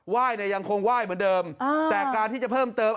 ยเนี่ยยังคงไหว้เหมือนเดิมแต่การที่จะเพิ่มเติม